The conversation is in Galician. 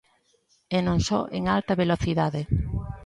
E non só en alta velocidade.